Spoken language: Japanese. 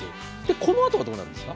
このあとはどうなるんですか？